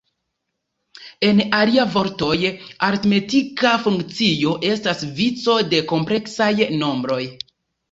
En alia vortoj, aritmetika funkcio estas vico de kompleksaj nombroj.